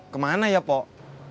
kemana ya pok